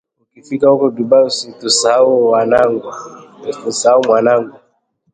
Ukifika huko Dubai usitusahau mwanangu